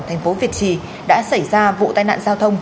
tp việt trì đã xảy ra vụ tai nạn giao thông